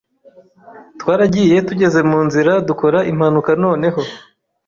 Twaragiye tugeze mu nzira dukora impanuka noneho